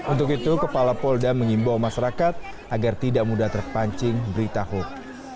untuk itu kepala pol da mengimbau masyarakat agar tidak mudah terpancing berita hukum